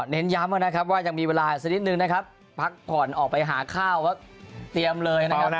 เน้นย้ำว่ายังมีเวลาสักนิดนึงผักก่อนออกไปหาข้าวเตรียมเลย